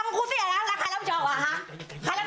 คุณปุ้ยอายุ๓๒นางความร้องไห้พูดคนเดี๋ยว